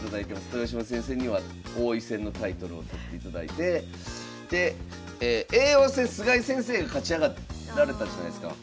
豊島先生には王位戦のタイトルを取っていただいて叡王戦菅井先生が勝ち上がられたじゃないすか。